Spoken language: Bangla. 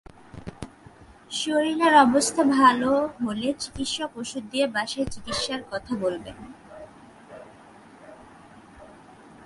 শরীরের অবস্থা ভালো হলে চিকিৎসক ওষুধ দিয়ে বাসায় চিকিৎসার কথা বলবেন।